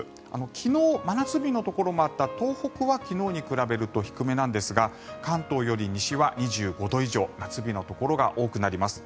昨日、真夏日のところもあった東北は昨日に比べると低めなんですが関東より西は２５度以上夏日のところが多くなります。